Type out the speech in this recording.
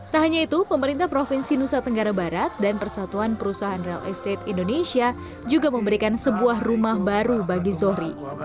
tak hanya itu pemerintah provinsi nusa tenggara barat dan persatuan perusahaan real estate indonesia juga memberikan sebuah rumah baru bagi zohri